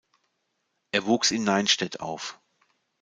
Er wuchs in Neinstedt auf.